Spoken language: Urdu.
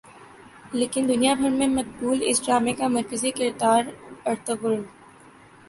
لیکن دنیا بھر میں مقبول اس ڈارمے کا مرکزی کردار ارطغرل